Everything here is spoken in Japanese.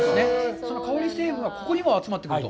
その香り成分がここにも集まってくると。